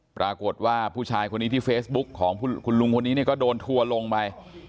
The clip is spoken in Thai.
ปรากฏว่าผู้ชายคนนี้ที่เฟซบุ๊กของคุณลุงคนนี้ก็โดนทัวร์ลงไป